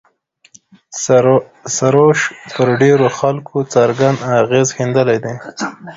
سروش پر ډېرو خلکو څرګند اغېز ښندلی دی.